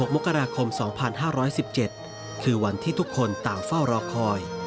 มกราคม๒๕๑๗คือวันที่ทุกคนต่างเฝ้ารอคอย